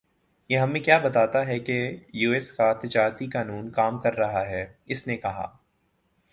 یہ ہمیں کِیا بتاتا ہے کہ یوایس کا تجارتی قانون کام کر رہا ہے اس نے کہا